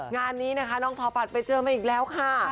งานนี้นะคะน้องพอปัดไปเจอมาอีกแล้วค่ะ